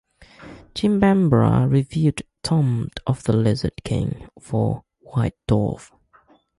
Jim Bambra reviewed "Tomb of the Lizard King" for "White Dwarf".